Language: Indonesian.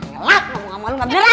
gelap ngomong sama lo nggak bener lah